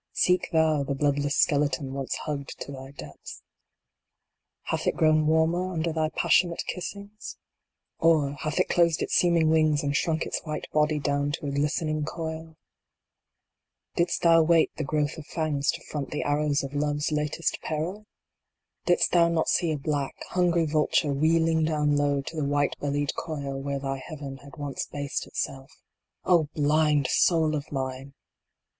Seek thou the bloodless skeleton once hugged to thy depths. Hath it grown warmer under thy passionate kissings ? Or, hath it closed its seeming wings and shrunk its white body down to a glistening coil ? Didst thou wait the growth of fangs to front the arrows of Love s latest peril ? So HEMLOCK IN THE FURROWS. Didst them not see a black, hungry vulture wheeling down low to the white bellied coil where thy Heaven had once based itself? O blind Soul of mine